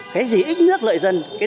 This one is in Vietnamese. cái gì ít nhất lợi dân